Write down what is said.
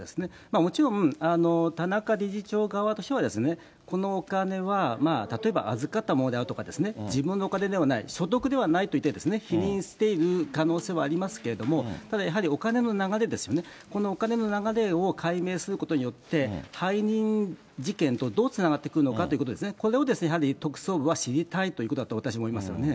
もちろん、田中理事長側としては、このお金は例えば預かったものであるとか、自分のお金ではない、所得ではないと言って否認している可能性はありますけれども、ただやはり、お金の流れですよね、このお金の流れを解明することによって、背任事件とどうつながってくるのかということですね、これをやはり特捜部は知りたいということだと私は思いますよね。